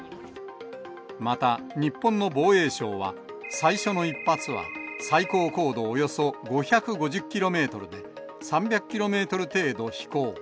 また、日本の防衛省は、最初の１発は、最高高度およそ５５０キロメートルで、３００キロメートル程度飛行。